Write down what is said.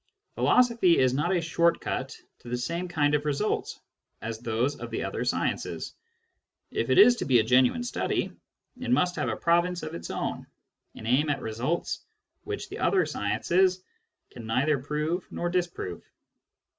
Philosophy is not a short cut to the same kind of results as those of the other sciences : if it is to be a genuine study, it must have a province of its own, and aim at results which the other sciences can neither prove nor disprove.